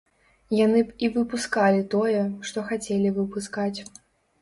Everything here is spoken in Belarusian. Яны б і выпускалі тое, што хацелі выпускаць.